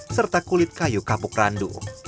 serta kulit kayu kapuk randu